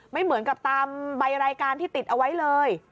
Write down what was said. ไม่เหมือนกับตามใบรายการที่ติดเอาไว้เลย